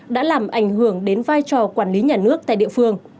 đã làm ảnh hưởng đến vai trò quản lý nhà nước tại địa phương